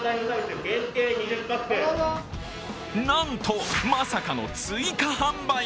なんとまさかの追加販売。